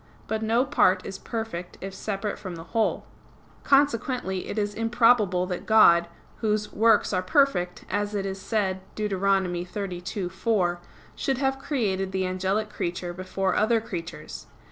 But no part is perfect if separate from the whole. Consequently it is improbable that God, Whose "works are perfect," as it is said Deut. 32:4, should have created the angelic creature before other creatures.